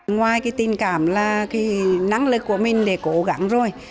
ngoài cái tình cảm là cái năng lực của mình để cố gắng rồi